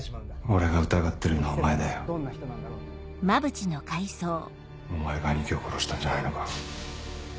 俺が疑ってるのはお前だよお前が兄貴を殺したんじゃないのか？